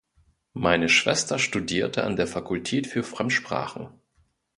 Meine Schwester studierte an der Fakultät für Fremdsprachen.